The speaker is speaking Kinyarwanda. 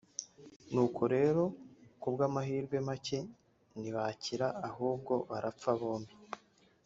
nuko rero ku bw’amahirwe make ntibakira ahubwo barapfa bombi